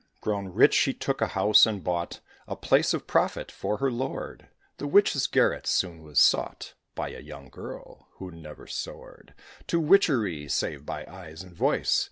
Grown rich, she took a house, and bought A place of profit for her lord. The witch's garret soon was sought By a young girl, who never soared To witchery, save by eyes and voice.